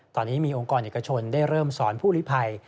ตอนนี้มีองค์กรเอกชนได้เริ่มสอนผู้ลิภัย